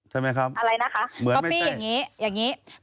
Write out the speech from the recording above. ใช่ไหมครับเหมือนไม่ใช่อะไรนะคะบ๊อบปี้อย่างนี้